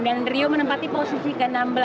dan rio menempati posisi ke enam belas